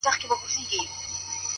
ستا د تن سايه مي په وجود كي ده،